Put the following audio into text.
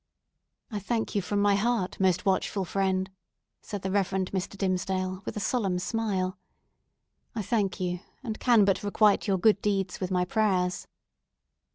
"I thank you from my heart, most watchful friend," said the Reverend Mr. Dimmesdale with a solemn smile. "I thank you, and can but requite your good deeds with my prayers."